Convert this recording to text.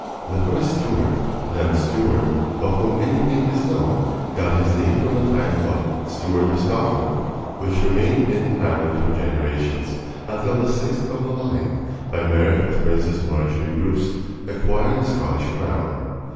The first Stuart (then Stewart) of whom anything is known got his name from the title of "Steward of Scotland," which remained in the family for generations, until the sixth of the line, by marriage with Princess Marjory Bruce, acquired the Scottish crown.